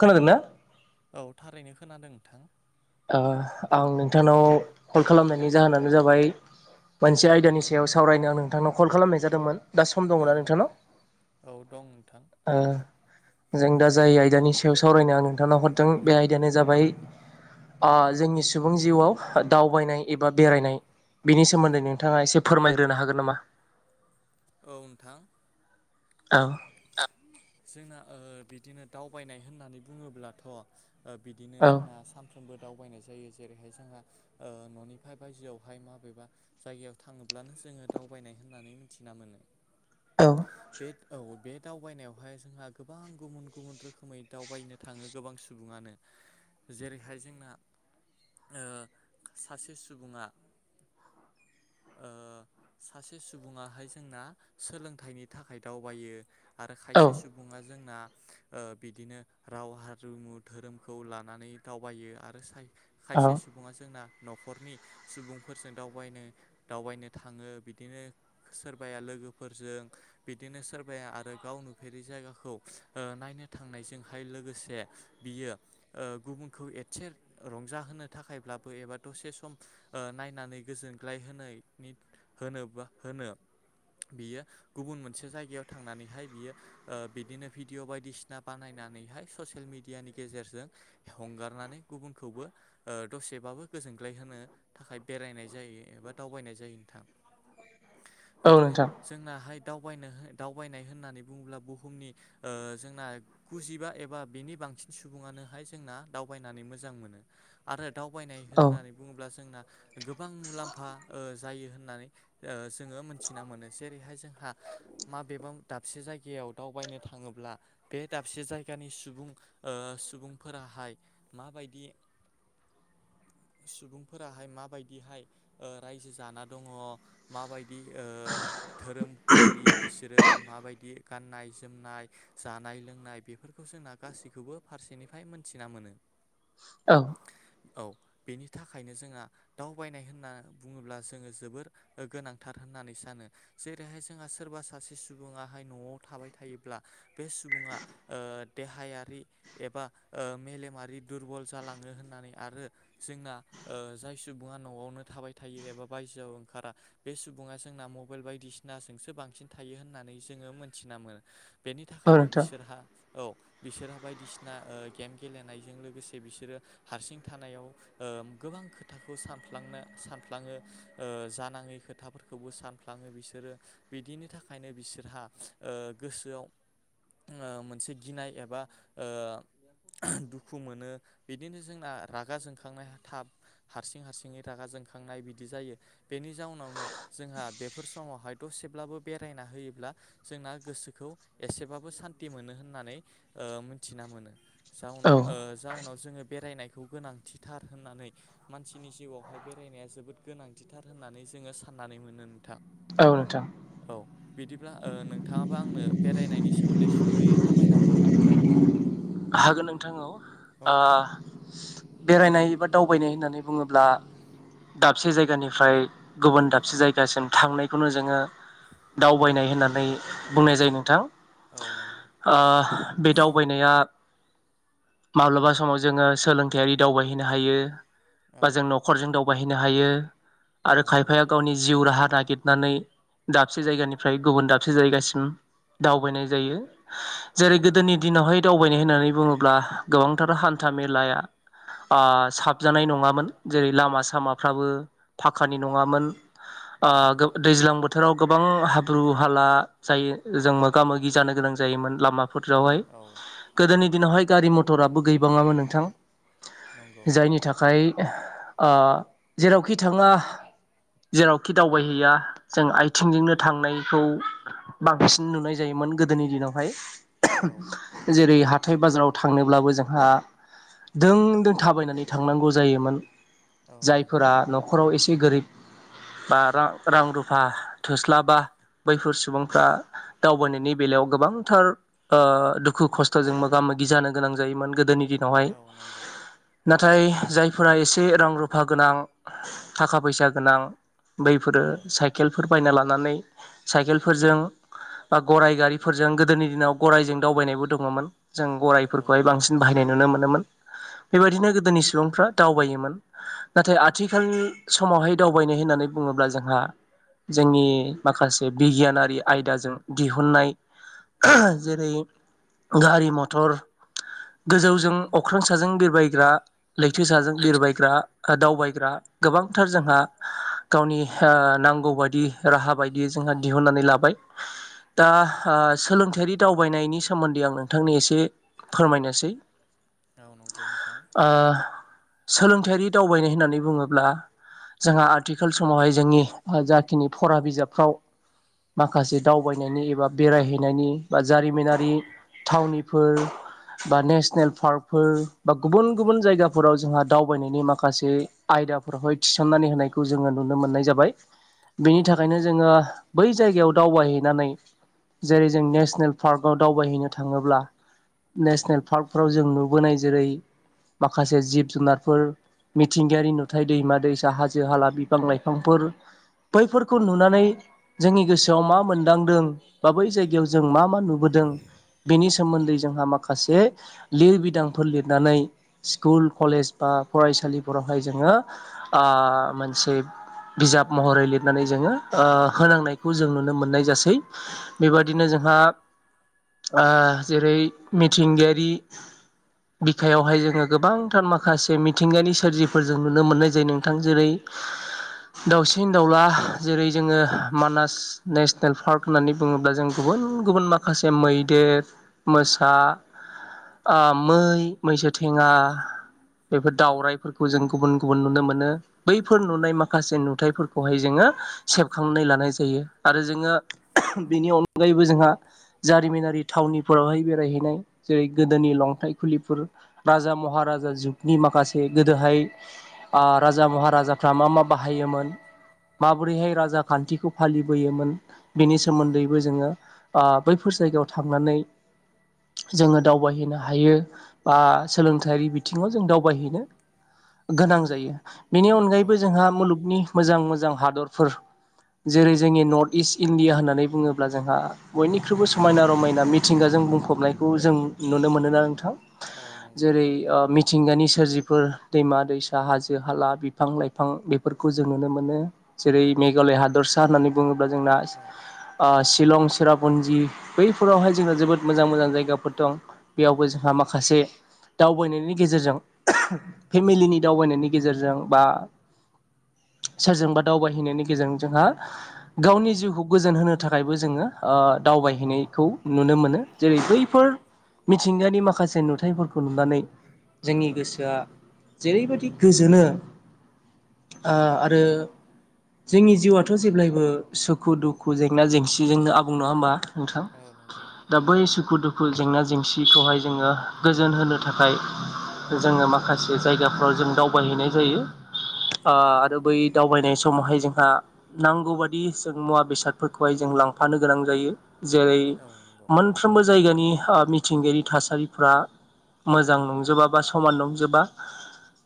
खोनादों ना? औ थारैनो खोनादों नोंथां। आं नोंथांनाव कल खालामनायनि जाहोनानो जाबाय। मोनसे आयदानि सायाव सावरायनो आं नोंथांनाव कल खालामनाय जादोंमोन। दा सम औ दङना नोंथांनाव? नंगौ औ दं नोंथां। जों दा जाय आयदानि सायाव सावरायनो आं नोंथांनाव हरदों बे आयदायानो जाबाय जोंनि सुबुं जिउआव दावबायनाय एबा औ बेरायनाय बिनि सोमोन्दै नोंथांङा एसे फोरमायग्रोनो हागोन नामा? औ नोंथां। औ जोंना बिदिनो दावबायनाय होननानै बुंङोब्लाथ' बिदिनो औ जोंना सानफ्रोमबो दावबायनाय जायो। जेरैहाय जोंहा न'निफ्राय बायजोआवहाय माबेबा जायगायाव थांङोब्लानो जोंङो दावबायनाय होननानै मिथिना मोनो। औ बेट औ बेद दावबायनायावहाय जोंहा गोबां गुबुन गुबुन रोखोमै दावबायनो थाङो गोबां सुबुङानो। जेरैहाय जोंना सासे सुबुङा ओ सासे सुबुंङाहाय जोंना सोलोंथाइनि थाखाय दावबायो। आरो औ खायसे सुबुङा जोंना बिदिनो राव हारिमु धोरोमखौ लानानै दावबायो आरो औ खायसे सुबुंङा जोंना न'खरनि सुबुंफोरजों दावबायनो दावबायनो थाङो बिदिनो सोरबाया लोगोफोरजों बिदिनो सोरबाया आरो गावनुफेरै जायगाखौ नायनो थांनायजोंहाय लोगोसे बियो गुबुनखौ एसे रंजाहोनो थाखायब्लाबो एबा दसे सम नायनानै गोजोनग्लाय होनायनि होन ब होनो बियो गुबुन मोनसे जायगायाव थांनानैहाय बियो बिदिनो भिडिअ' बायदिसिना बानायनानैहाय ससियेल मिडियानि गेजेरजों हंगारनानै गुबुनखौबो दसेबाबो गोजोनग्लाय होनो थाखाय बेरायनाय जायो एबा दावबायनाय जायो नोंथां। [unintelligible] औ बिदिनो नोंथां जोंनाहाय दाव दावबायनाय होननानै बुङोब्ला बुहुमनि जोंना गुजिबा एबा बेनि बांसिन सुबुंङानोहाय जोंना दावबायनानै मोजां मोनो। आरो दावबायनाय औ होननानै बुङोब्ला जोंना गोबां मुलाम्फा ओ जायो होननानै ओ जोङो मोनथिना मोनो जेरैहाय जोंहा मा बेबाव दाब खायसे जायगायाव दावबायनो थाङोब्ला बे दाबसे जायगानि सुबुं ओ सुबुंफोराहाय माबायदि सुबुंफोराहाय माबायदिहाय रायजो जाना दङ। माबायदि ओ धोरोम फालियो बिसोरो माबायदि गाननाय जोमनाय जानाय लोंनाय बेफोरखौ जोंना गासैखौबो फारसेनिफ्राय मोन्थिना मोनो। औ औ बेनि थाखायनो जोंहा दावबायनाय होनना बुङोब्ला जोङो जोबोर गोनांथार होननानै सानो। जेरैहाय जोंहा सोरबा सासे सुबुङा बेाहाय न'आव थाबाय थायोब्ला बे सुबुङा ओ देहायारि एबा ओ मेलेमारि दुरबल जालाङो होननानै आरो जोंना ओ जाय सुबुङा न'आवनो थाबाय थायो एबा बायजोआव ओंखारा बे सुबुङा जोंना मबाइल बायदिसिनाजोंसो बांसिन थायो होननानै जोङो मोनथिना मोनो बेनि औ थाखायनो नोंथां बिसोरहा औ बिसोरहा बायदिसिना ओ गेम गेलेनायजों लोगोसे बिसोरो हारसिं थानायाव ओ गोबां खोथाखौ सानफ्लांनो सानफ्लाङो। ओ जानाङै खोथाफोरखौबो सानफ्लाङो बिसोरो बिदिनि थाखायनो बिसोर जोहा गोसोआव मोनसे गिनाय एबा दुखु मोनो बिदिनो जोंना रागा जोंखांनाया थाब हारसिं हारसिंनि रागा जोंखांनाय बिदि जायो। बेनि जाउनावनो जोंहा बेफोर समावहायथ'सेब्लाबो बेरायना होयोब्ला जोंना गोसोखौ एसेबाबो सान्थि मोनो होननानै ओ मिथिना मोनो। जा औ जाउनाव जोङो बेरायनायखौ गोनांथि थार होननानै मानसिनि जिउआवहाय बेरायनाया जोबोद गोनांथिथार होननानै जोङो साननानै मोनो नोंथां। औ नोंथां। औ अब्ला ओ नोंथाङाबो आंनो बेरायनायनि सोमोन्दै सुंद'यै फोरमायना होनो हागोन ना नोंथां? हागोन नोंथां औ। औ बेरायनाय बा दावबायनाय होननानै बुङोब्ला दाबसे जायगानिफ्राय गुबुन दाबसे जायगासिम थांनायखौनो जोङो दावबायनाय होननानै बुंनाय जायो नोंथां। औ नंगौ। ओ बे दावबायनाया माब्लाबा समाव जोङो सोलोंथायारि दावबायहैनो हायो बा औ जों नख खरजों दावबायहैनो हायो आरो नंगौ खायफाया गावनि जिउ राहा नागिर नानै दाबसे जायगानिफ्राय गुबुन दाबसे जायगासिम दावबायनाय जायो। औ जेरै गोदोनि नंगौ दिनावहाय दावबायनाय होननानै बुङोब्ला गोबांथार हान्था मेलाया ओ साबजानाय नङामोन जेरै लामा सामाफ्राबो फाखानि नङामोन। नंगौ ओ नोंथां दैज्लां बोथो थोराव गोबां हाब्रु हाला जायो जों मोगा मोगि जानो गोनां जायोमोन लामाफोरावहाय औ गोदोनि दिनावहाय गारि मथराबो गैबाङामोन नोंथां। नंगौ जायनि थाखाय ओ जेरावखि थाङा जेरावखि दावबायहैया जों आथिंजोंनो थांनायखौ बांसिन नुनाय जायोमोन गोदोनि औ दिनावहाय जेरै हाथाय बाजाराव थांनोब्लाबो जोंहा दों दों थाबायनानै थांनांगौ जायोमोन औ नंगौ जायफोरा न' न'खराव एसे गोरिब। बा रा रां रुफा थोस्लाबा बैफोर सुबुंफ्रा दावबायनायनि बेलायाव गोबांथार ओ दुखु खस्थ। थ''जों मोगा मोगि जानो गोनां जायोमोन गोदोनि दिनावहाय औ नंगौ नाथाय जायफोरा एसे रां रुफा गोनां थाखा फैसा गोनां बैफोरो औ साइकेलफोर बायना लानानै साइकेलफोरजों बा गराय गारिफोरजों गोदोनि दिनाव गरायजों दावबायनायबो दङमोन। जों औ गराइफोरखौहाय नंगौ बांसिन बाहायनाय नुनो मोनोमोन बेबायाददिनो गोदोनि सुबुंफ्रा दावबायोमोन। नाथाय आथिखाल समावहाय दावबायनाय होननानै बुङोब्ला जोंहा जोंनि माखासे बिगियानारि आयदाजों दिहुननाय जेरै गारि मथर औ गोजौजों अख्रां साजों बिरबायग्रा। लैथोसाजों बिरबायग्रा आर दावबायग्रा गोबांथार औ जोंहा। गावनि ओ नांगौ बायदि राहा बायदियै जोंहा दिहुननानै लाबाय दा ओ सोलोंथायारि दावबायनायनि सोमोन्दै आं नो नोंथांनि एसे फोरमायनोसै औ नंगौ ओनथां ओ सोलोंथायारि दावबायनाय होननानै बुङोब्ला जोंहा आर्थिखाल समावहाय जोंनि जाखिनि फरा बिजाबफ्राव माखासे दावबायनायनि एबा बेरायहैनायनि बा जारिमिनारि थावनिफोर बा नेसनेल पार्कफोर बा गुबुन औ गुबुन जायगाफोर फोराव जोंहा दावबायनायनि माखासे आयदाफोरावहाय थिसननानै होनायखौ जोङो नुनो मोननाय जाबाय औ बेनि थाखायनो नंगौ जोङो बै जायगायाव दावबायहैनानै जेरै जों नेसनेल पार्कआव दावबायहैनो थाङोब्ला औ नेसनेल पार्कफ्राव जों नुबोनाय जेरै माखासे जिब जुनारफोर मिथिंगायारि नुथाय दैमा दैसा हाजो हाला बिफां लाइफांफोर बैफोरखौ नुनानै जोंनि गोसो सआव मा मोनदांदों बा बै जायगायाव जों मा मा नुबोदों बेनि सोमोन्दै जोंहा माखासे लिरबिदांफोर लिरनानै स्कुल कलेज बा फरायसालिफोरावहाय जोङो ओ मोनसे बिजाब महरै लिरनानै जोङो ओ होनांनायखौ जों नुनो मोननाय जासै औ बेबायदिनो नंगौ जोंहा ओ जेरै मिथिंगायारि बिखायावहाय जोङो गोबांथार माखासे मिथिंगानि सोरजिफोर जों नुनो मोननाय जायो नोंथां जेरै दाउसिन दाउला जेरै जोङो औ मानास नेसनेल पार्क होननानै बुङोब्ला जों गुबुन गुबुन माखासे मै देर मोसा मै मैसो थेङा बेफोर औ दाउराइफोरखौ जों गुबुन गुबुन नुनो मोनो बैफोर नुनाय माखासे नुथायफोरखौहाय जोङो सेबखांनानै लानाय जायो। आरो जोङो बेनि अनगायैबो जोंहा जारिमिनारि थावनिफोरावहाय बेरायहैनाय जेरै गोदोनि लंथाइ खुलिफोर राजा महाराजा जुगनि माखासे गोदोहाय ओ राजा महाराजाफ्रा मा मा बाहायोमोन माबोरैहाय राजा खान्थिखौ फालिबोयोमोन बिनि सोमोन्दैबो जोङो बैफोर ओ जायगायाव थांनानै जोङो दावबायहैनो हायो। बा सोलोंथायारि बिथिङाव जों दावबायहैनो गोनां जायो। बेनि औ अनगायैबो नंगौ जोंहा मुलुगनि मोजां मोजां हादरफोर जेरै जोंनि नर्थ इस्ट इण्डिया होननानै बुङोब्ला जोंहा बयनिख्रुइबो समायना रमायना मिथिंगाजों बुंफबनायखौ जों नुनो मोनोना नोंथां औ नंगौ जेरै मिथिंगानि सोरजिफोर दैमा दैसा हाजो हाला बिफां लाइफां बेफोरखौ जों नुनो मोनो जेरै मेघालय हादरसा होननानै बुङोब्ला जोंना औ शिलं चिरापुन्जि बैफोरावहाय जोंहा जोबोद मोजां मोजां जायगाफोर दं बेयावबो जोंहा माखासे दावबायनायनि गेजेरजों फेमिलिनि दावबायनायनि गेजेरजों बा। सोरजोंबा दावबायहैनायनि गेजेरजों जोंहा गावनि जिउखौ गोजोन होनो थाखायबो ओ जोङो दावबायहैनायखौ नुनो मोनो जेरै बैफोर मिथिंगानि माखासे नुथायाइफोरखौ नुनानै जोंनि औ गोसोआ जेरैबायदि गोजोनो आरो नंगौ जोंनि जिउआथ' जेब्लायबो सुखु दुखु जेंना जेंसि जोंनो आबुं नङा होमबा नोंथाङा गलगौ [inaudible] दा बै सुखु दुखु जेंना जेंसिखौहाय जोङो गोजोन होनो थाखाय जोङो माखासे जायगाफ्राव जों दावबायहैनाय जायो औ आरो बै दावबायनाय समावहाय जोंहा नांगौ बायदि जों मुवा बेसादफोरखौहाय जों लांफानो गोनां जायो जेरै औ नंगौ सानफ्रोमबो जायगानि मिथिंगायारि थासारिफ्रा मोजां नंजोबा बा समान नंजोबा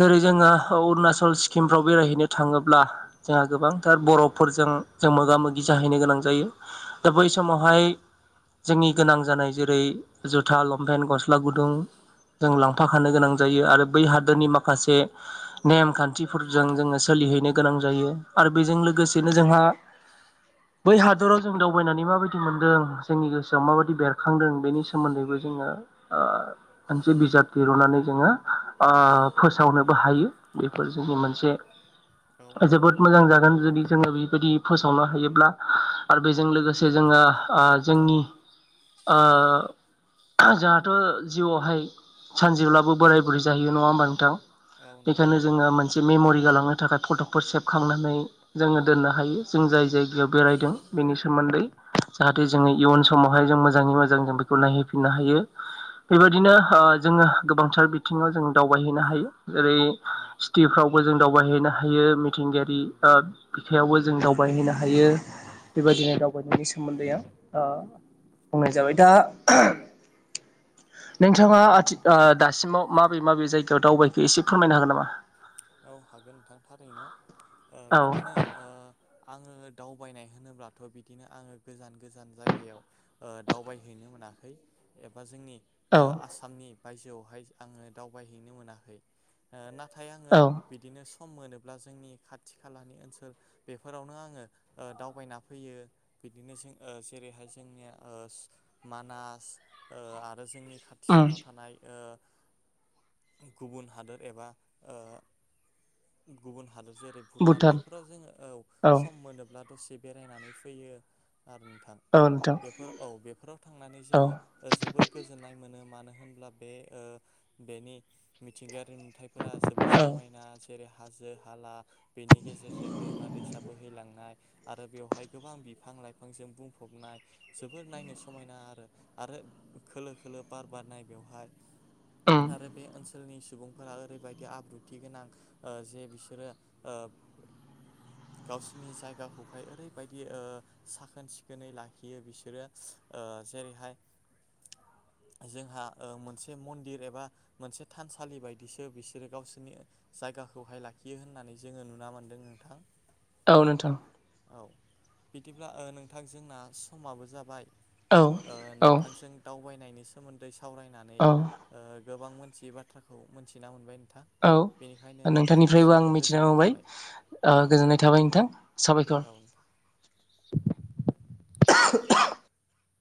जेरै जोङो अरुणाचल किमफ्राव बेरायहैनो थाङोब्ला जोंहा गोबांथार बर'फोरजों जों मोगा मोगि जाहैनो गोनां जायो दा बै समावहाय जोंनि गोनां जानाय जेरै जुथा लंपेन्ट गस्ला गुदुं जों लांफााखानो गोनां जायो आरो बै हादोरनि औ माखासे नेम खान्थिफोरजों जोङो सोलिहैनो गोनां जायो आरो बेजों लोगोसेनो जोंहा बै हादराव जों दावबायनानै माबायदि मोनदों जोंनि गोसोआव माबायदि बेरखांदों बेनि सोमोन्दैबो जोङो मोनसे बिजाब दिरुननानै जोङो फोसावनोबो हायो बेफोर जोंनि मोनसे नंगौ जोबोद मोजां जागोन जुदि जोङो बे जुदि फोसावनो हायोब्ला आरो बेजों लोगोसे जोङो जोंनि ओ जोंहाथ' जिउआवहाय सानसेेब्लाबो बोराय बुरै जाहैयो नङा होमबा नोंथाङां औ बेखायनो जोङो मोनसे मेम'रि गालांनो थाखाय फट'फोर सेबखांनानै जोङो दोननो हायो जों जाय जायगायाव बेरायदों बेनि सोमोन्दै जाहाथे जोङो औ इयुन समावहाय जों मोजाङै मोजां जों बेखौ नायहैफिननो हायो बेबायदिनो जोङो गोबांथार बिथिङाव जों दावबायहैनो हायो जेरै औ सिटिफ्रावबो जों दावबायहैनो हायो मिथिंगायारि नंगौ बिथायाइावबो जों दावबायहैनो हायो बेबायदिनो दावबायनायनि सोमोन्दैआ बुंनाय जाबाय दा नोंथाङा आथि दासिमाव माबे माबे जायगायाव दावबायखो एसे फोरमायनो हागोन नामा औ हागोन नोंथां थारैनो बिदिनो औ आङो दावबायनाय होनोब्लाथ' बिदिनो आङो गोजान गोजान जायगायाव दावबायहैनो मोनाखै एबा जोंनि औ आसामनि बायजोआवहाय आङो दावबायहैनो मोनाखै नाथाय आङो औ बिदिनो सम मोनोब्ला जोंनि खाथि खालानि ओनसोल बेफोरावनो आङो दावबायना फैयो बिदिनो जों जेरैहाय जोंनिया मानास आरो जोंनि उम खाथिसिनाव थानाय गुबुन हादोर एबा गुबुन हादर जेरै' भुटान बेफोराव जोङो औ सम मोनोब्ला दसे बेरायनानै फैयो आरो नोंथां। औ नोंथां बेफोर औ बेफोराव थांनानै औ जोङो। ओ जोबोर गोजोननाय मोनो मानो होनब्ला बे ओ बेनि मिथिंगायारि नुथायफोरा जोबोर औ समायना जेरै' हाजो हाला बेनि गेजेरजों दैमा दैसा बोहैलांनाय आरो बेवहाय गोबां बिफां लाइफांजों बुंफबनाय जोबोर नायनो समायना आरो आरो खोलो खोलो बार बार नाय बेवहाय। उम आरो बे ओनसोलनि सुबुंफोरा ओरैबायदि आब्रुथि थि गोनां जे बिसोरो गावसिनि जायगाखौ हाय ओरैबायदि ओ साखोन सिखोनै लाखियो बिसोरो। ओ जेरै' हाय [inaudible] जोंहा ओ मोनसे मन्दिर एबा मोनसे थानसालि बायदिसो बिसोर गावसि बिनि जायगाखौ हाय लाखियो होननानै जोङो नुना मोन्दों नोंथां। औ नोंथां। औ। बिदिब्ला नोंथां जोंना समाबो जाबाय औ ओ औ नोंथांजों दावबायनायनि सोमोन्दै सावरायनानै औ ओ गोबां मोनथियै बाथ्राखौ मोनथिना मोनबाय नोंथां। औ बेनिखायनो नोंथांनिफ्रायबो नोंथांनिसिम आं मिथिना गोजोननाय मोनबाय थाबाय। औ ओ गोजोननाय थाबाय नोंथां साबायखर। औ [inaudible]